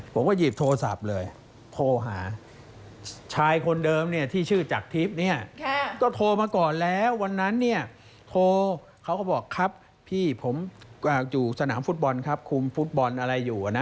ผมก็หยิบโทรศัพท์เลยโทรหาชายคนเดิมเนี่ยที่ชื่อจักรทิพย์เนี่ยก็โทรมาก่อนแล้ววันนั้นเนี่ยโทรเขาก็บอกครับพี่ผมอยู่สนามฟุตบอลครับคุมฟุตบอลอะไรอยู่นะ